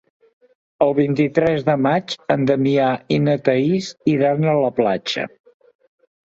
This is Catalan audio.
El vint-i-tres de maig en Damià i na Thaís iran a la platja.